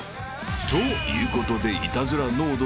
［ということでイタズラ濃度